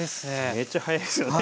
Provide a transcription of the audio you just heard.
めっちゃ早いですよね。